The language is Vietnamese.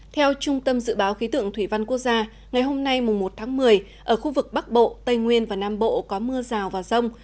theo trung tâm dự báo khí tượng thủy văn quốc gia ngày hôm nay một tháng một mươi ở khu vực bắc bộ tây nguyên và nam bộ có mưa rào và rông